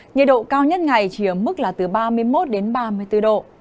nhiệt độ cao nhất ngày chỉ ở mức là từ ba mươi một đến ba mươi bốn độ